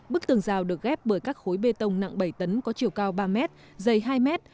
bức tường rào được ghép bởi các khối bê tông nặng bảy tấn có chiều cao ba mét dày hai mét